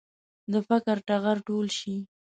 د فقر ټغر ټول شي.